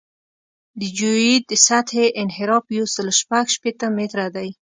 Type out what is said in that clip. د جیوئید د سطحې انحراف یو سل شپږ شپېته متره دی